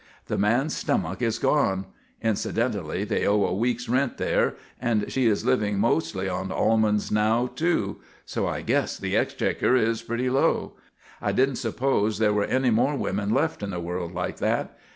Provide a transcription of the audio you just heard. "The man's stomach is gone. Incidentally, they owe a week's rent there, and she is living mostly on almonds now, too; so I guess the exchequer is pretty low. I didn't suppose there were any more women left in the world like that.